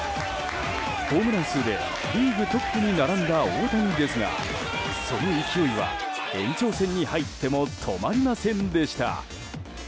ホームラン数でリーグトップに並んだ大谷ですがその勢いは延長戦に入っても止まりませんでした。